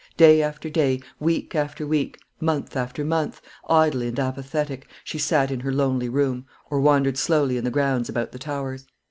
Day after day, week after week, month after month, idle and apathetic, she sat in her lonely room, or wandered slowly in the grounds about the Towers.